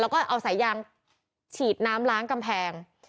แล้วก็เอาสายยางฉีดน้ำล้างกำแพง